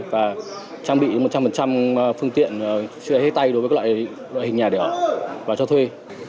và trang bị một trăm linh phương tiện chữa cháy hết tay đối với loại hình nhà để ở và cho thuê